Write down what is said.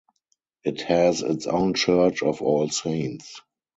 It has its own Church of All Saints.